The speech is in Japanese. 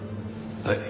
はい。